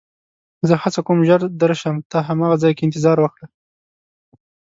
زه هڅه کوم چې ژر درشم، ته هماغه ځای کې انتظار وکړه.